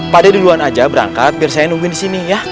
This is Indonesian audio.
pade duluan aja berangkat biar saya nungguin di sini ya